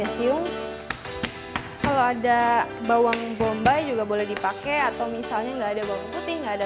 kasium kalau ada bawang bombay juga boleh dipakai atau misalnya enggak ada bawang putih nggak ada